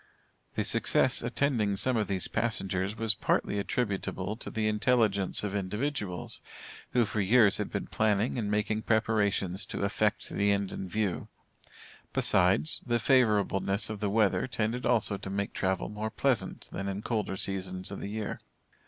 The success attending some of these passengers was partly attributable to the intelligence of individuals, who, for years, had been planning and making preparations to effect the end in view. Besides, the favorableness of the weather tended also to make travel more pleasant than in colder seasons of the year.